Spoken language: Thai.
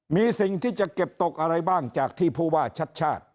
มีสิ่งที่จะเก็บตกอะไรบ้างจากที่ผู้ว่าชัดชาติ